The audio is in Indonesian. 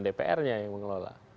dpr nya yang mengelola